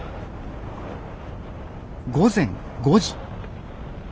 午前５時。